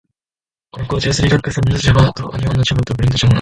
この紅茶はスリランカ産の茶葉を日本の茶葉とブレンドしたものなんだ。